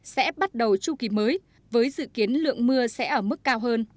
sẽ bắt đầu chu kỳ mới với dự kiến lượng mưa sẽ ở mức cao hơn